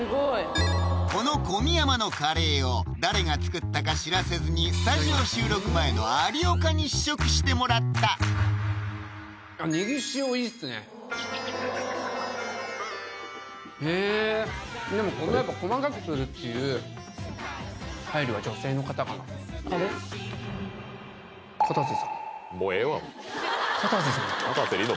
この小宮山のカレーを誰が作ったか知らせずにスタジオ収録前の有岡に試食してもらったへぇでもこれやっぱもうええわかたせさん？かたせ梨乃